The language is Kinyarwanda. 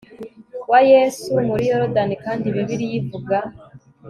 wa Yesu muri Yorodani kandi Bibiliya ivuga